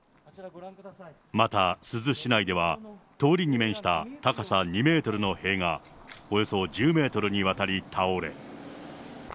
また珠洲市内では、通りに面した高さ２メートルの塀が、およそ１０メートルにわたり倒れ。